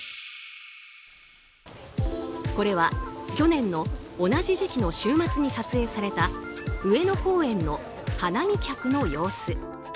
これは去年の同じ時期の週末に撮影された上野公園の花見客の様子。